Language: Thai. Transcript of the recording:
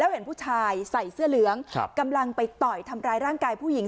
เห็นผู้ชายใส่เสื้อเหลืองกำลังไปต่อยทำร้ายร่างกายผู้หญิง